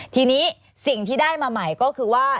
ทีนี้สิ่งที่ได้มาใหม่ก็คือว่า